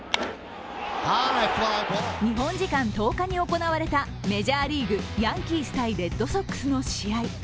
日本時間１０日に行われたメジャーリーグ、ヤンキース×レッドソックスの試合。